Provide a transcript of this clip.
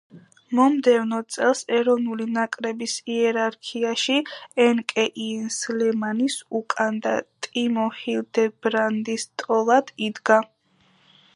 მომდევნო წელს ეროვნული ნაკრების იერარქიაში ენკე იენს ლემანის უკან და ტიმო ჰილდებრანდის ტოლად იდგა.